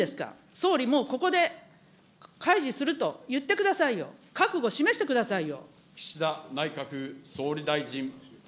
総理もうここで、開示すると言ってくださいよ、覚悟、示してくださいよ。